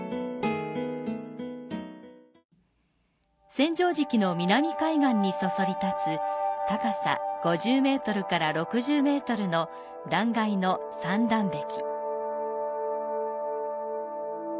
千畳敷の南海岸にそそり立つ高さ５０ｍから６０ｍの断崖の三段壁。